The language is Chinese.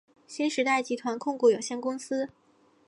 新时代集团控股有限公司。